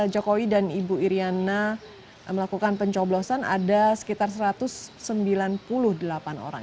jokowi dan ibu iryana melakukan pencoblosan ada sekitar satu ratus sembilan puluh delapan orang